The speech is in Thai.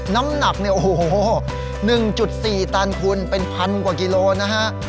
น้ำหนักเนี่ยโอ้โหหนึ่งจุดสี่ตันคุณเป็นพันกว่ากิโลนะฮะ